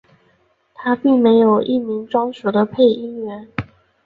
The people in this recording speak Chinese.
它并没有一名专属的配音员。